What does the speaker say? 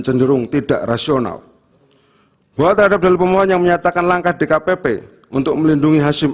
cenderung tidak rasional bahwa terhadap dalil pemohon yang menyatakan langkah dkpp untuk melindungi hashim